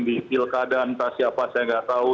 di pilkada entah siapa saya nggak tahu